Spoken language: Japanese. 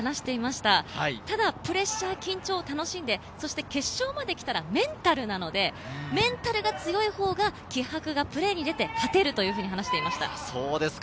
ただプレッシャー、緊張を楽しんで、そして決勝まで来たらメンタルなので、メンタルが強いほうが気迫がプレーに出て勝てるというふうに話していました。